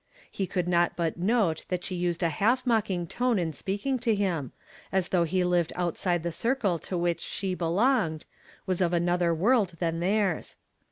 He could not but note that she used a half mocking tone in speaking to him, as though he lived outside the circle to which' she belonged, was of another world than theii s.